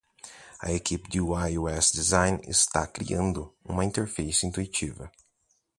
A equipe de UI/UX Design está criando uma interface intuitiva.